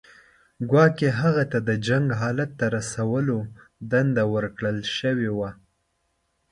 ګواکې هغه ته د جنګ حالت ته رسولو دنده ورکړل شوې وه.